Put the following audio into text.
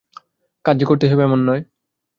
কাজ যে করতেই হবে, এমন নয়।